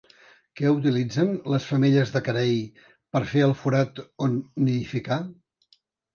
Què utilitzen les femelles de carei per fer el forat on nidificar?